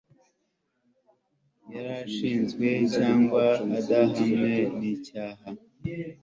yari ashinzwe cyangwa adahamwe n icyaha